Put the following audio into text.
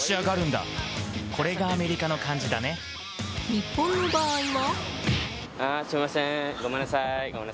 日本の場合は。